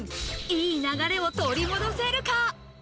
いい流れを取り戻せるか？